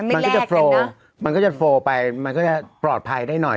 มันก็จะโฟลมันก็จะโฟล์ไปมันก็จะปลอดภัยได้หน่อย